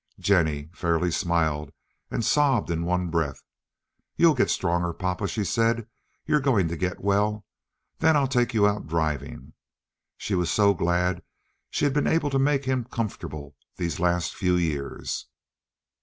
Jennie fairly smiled and sobbed in one breath. "You'll get stronger, papa," she said. "You're going to get well. Then I'll take you out driving." She was so glad she had been able to make him comfortable these last few years.